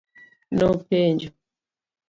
Nopenjo.